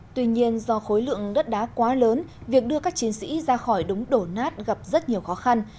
tuy nhiên do khối lượng đất đá quá lớn việc đưa các chiến sĩ ra khỏi đống đổ nát gặp rất nhiều khó khăn